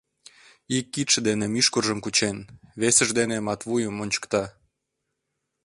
Ик кидше дене мӱшкыржым кучен, весыж дене Матвуйым ончыкта.